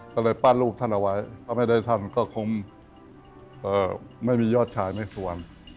ก็เลยปั้นรูปท่านเอาไว้ก็ไม่ได้ท่านก็คงไม่มียอดชายไม่สวม